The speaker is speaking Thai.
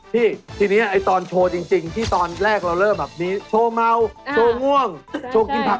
พี่ทีนี้ตอนโชว์จริงที่ตอนแรกเราเริ่มแบบนี้โชว์เมาโชว์ง่วงโชว์กินผัก